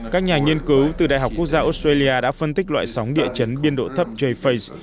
các nhà nghiên cứu từ đại học quốc gia australia đã phân tích loại sóng địa chấn biên độ thấp jas